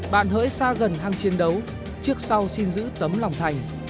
bạn hỡi xa gần hang chiến đấu trước sau xin giữ tấm lòng thành